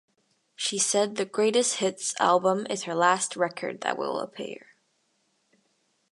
She said the greatest hits album is her last record that will appear.